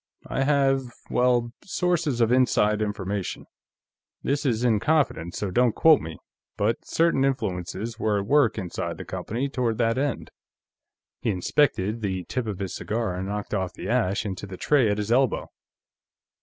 "I have, well, sources of inside information. This is in confidence, so don't quote me, but certain influences were at work, inside the company, toward that end." He inspected the tip of his cigar and knocked off the ash into the tray at his elbow.